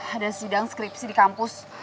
ada sidang skripsi di kampus